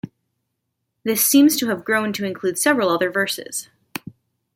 This seems to have grown to include several other verses.